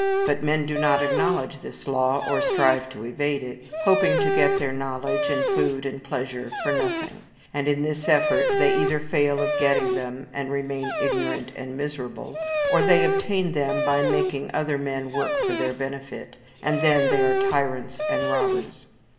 But men do not acknowledge this law, or strive to evade it, hoping to get their knowledge, and food, and pleasure for nothing; and in this effort they either fail of getting them, and remain ignorant and miserable, or they obtain them by making other men work for their benefit; and then they are tyrants and robbers.